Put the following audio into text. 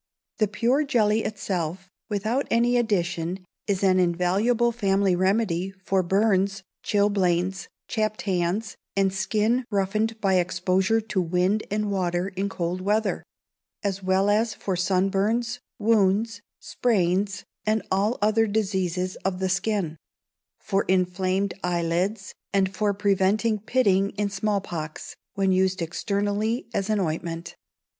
The pure jelly itself, without any addition, is an invaluable family remedy for burns, chilblains, chapped hands, and skin roughened by exposure to wind and water in cold weather; as well as for sun burns, wounds, sprains, and all diseases of the skin; for inflamed eyelids, and for preventing pitting in small pox, when used externally as an ointment.